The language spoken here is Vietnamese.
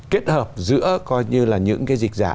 kết hợp giữa coi như là những cái dịch giả